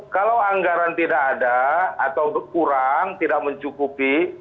kalau anggaran tidak ada atau kurang tidak mencukupi